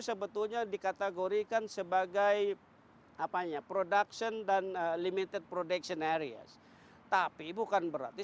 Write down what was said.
sebetulnya dikategorikan sebagai apanya production dan limited production areas tapi bukan berarti